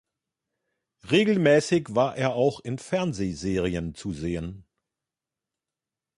Regelmäßig war er auch in Fernsehserien zu sehen.